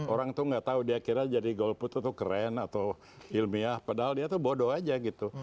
orang tuh gak tahu dia kira jadi golput tuh keren atau ilmiah padahal dia tuh bodoh aja gitu